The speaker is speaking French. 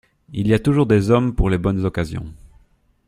Il y a toujours des hommes pour les bonnes occasions.